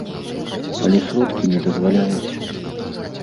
Але сродкі не дазваляюць.